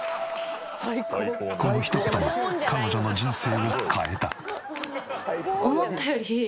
この一言が彼女の人生を変えた。